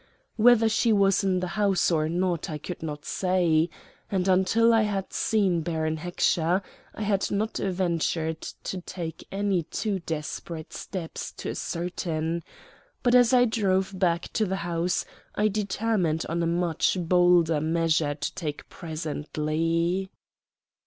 Whether she was in the house or not I could not say, and, until I had seen Baron Heckscher, I had not ventured to take any too desperate steps to ascertain; but as I drove back to the house I determined on a much bolder measure to take presently.